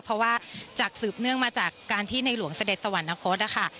เพราะว่าจากสืบเนื่องมาจากการที่ในหลวงเสด็จสวรรคตนะคะ